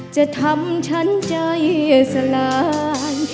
จะทำฉันใจสลาย